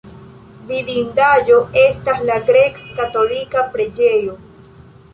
Vidindaĵo estas la grek-katolika preĝejo.